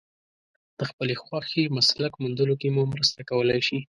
د خپلې خوښې مسلک موندلو کې مو مرسته کولای شي.